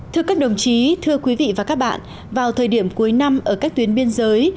thưa các đồng chí thưa quý vị và các bạn vào thời điểm cuối năm ở các tuyến biên giới